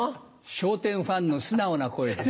笑点ファンの素直な声です。